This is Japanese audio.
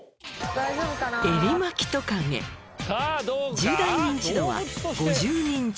１０代ニンチドは５０人中。